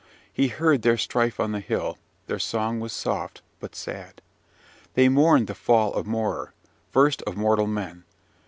He heard their strife on the hill: their song was soft, but sad! They mourned the fall of Morar, first of mortal men!